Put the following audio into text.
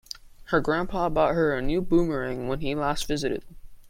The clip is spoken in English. Her grandpa bought her a new boomerang when he last visited.